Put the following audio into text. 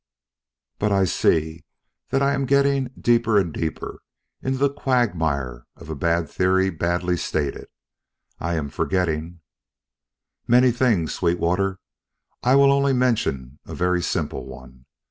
But I see that I am but getting deeper and deeper in the quagmire of a bad theory badly stated. I am forgetting " "Many things, Sweetwater. I will only mention a very simple one.